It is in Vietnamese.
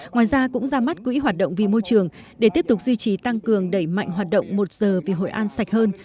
ngoài ra cũng ra mắt quỹ hoạt động vì môi trường để tiếp tục duy trì tăng cường đẩy mạnh hoạt động một giờ vì hội an sạch hơn